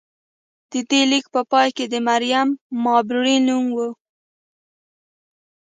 د دې لیک په پای کې د مریم مابرلي نوم و